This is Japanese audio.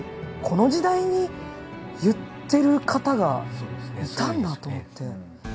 この時代に言っている方がいたんだと思って。